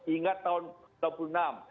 ingat tahun dua puluh enam